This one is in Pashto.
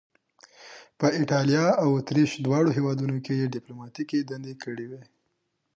په ایټالیا او اتریش دواړو هیوادونو کې یې دیپلوماتیکې دندې کړې وې.